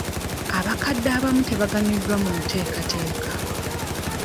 Abakadde abamu tabaganyuddwa mu nteekateeka.